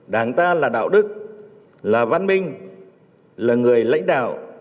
đảng ta là đạo đức là văn minh là người lãnh đạo